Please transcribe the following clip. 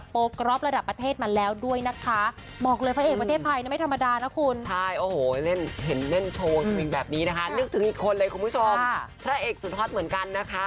พระเอกสุดพัดเหมือนกันนะคะ